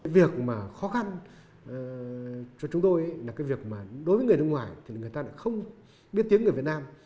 đối với người nước ngoài thì người ta đã không biết tiếng người việt nam